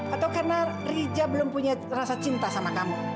atau karena rija belum punya rasa cinta sama kamu